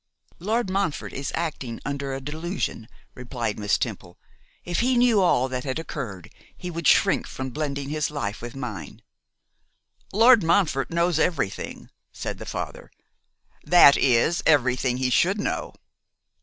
'Lord Montfort is acting under a delusion,' replied Miss Temple. 'If he knew all that had occurred he would shrink from blending his life with mine.' 'Lord Montfort knows everything,' said the father, 'that is, everything he should know.